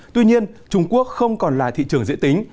tuy nhiên trung quốc không còn là thị trường dễ tính